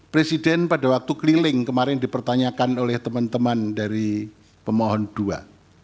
presiden pada waktu keliling kemarin dipertanyakan oleh teman teman dari pemohon dua